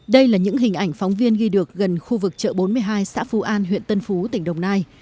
đây là những hình ảnh phóng viên ghi được gần khu vực chợ bốn mươi hai xã phú an huyện tân phú tỉnh đồng nai